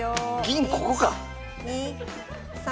銀ここか！